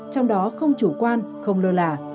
trong đó không chủ quan không lơ lả